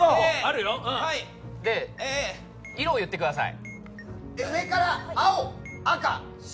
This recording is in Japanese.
色を言ってください。